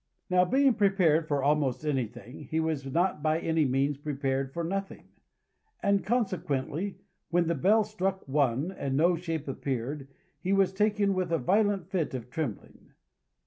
Now, being prepared for almost anything, he was not by any means prepared for nothing; and, consequently, when the bell struck One, and no shape appeared, he was taken with a violent fit of trembling.